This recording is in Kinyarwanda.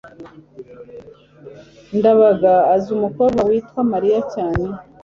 ndabaga azi umukobwa witwa mariya cyane